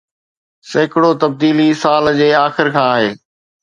سيڪڙو تبديلي سال جي آخر کان آهي